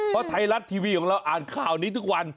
เพราะไทยรัฐทีวีของเราอ่านข่าวนี้ทุกวัน